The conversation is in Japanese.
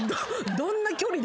「どんな距離で」